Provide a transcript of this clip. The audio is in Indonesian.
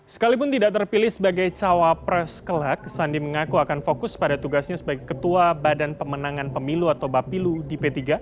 sekalipun tidak terpilih sebagai cawapres kelak sandi mengaku akan fokus pada tugasnya sebagai ketua badan pemenangan pemilu atau bapilu di p tiga